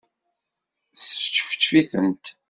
Sčefčef-itent.